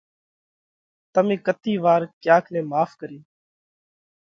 تمي ڪتي وار ڪياڪ نئہ ماڦ ڪريوه؟